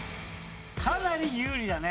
かなり有利だね。